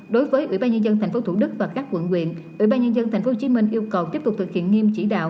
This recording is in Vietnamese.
đối với ubnd tp hcm và các quận quyền ubnd tp hcm yêu cầu tiếp tục thực hiện nghiêm chỉ đạo